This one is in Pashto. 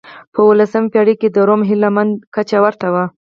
په اولسمه پېړۍ کې د روم هیله مندۍ کچه ورته و.